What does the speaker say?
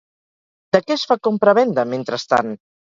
De què es fa compravenda, mentrestant?